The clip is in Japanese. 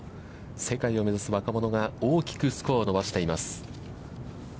世界を目指す若者が大きくスコアを伸ばしています。